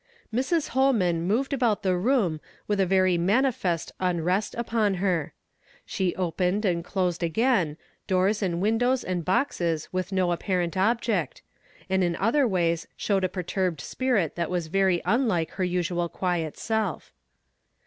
Mrs. ITolman moved about the room with a very manifest unrest upon her. She opened, and closed again, dooi*s and drawers and boxes with no ap parent object, and in other ways showed a per turbed spirit that was very unlike her usual quiet self.